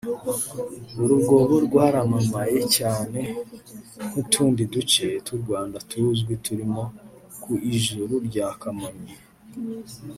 uru rwobo rwaramamaye cyane nk’utundi duce tw’u Rwanda tuzwi turimo Ku Ijuru rya Kamonyi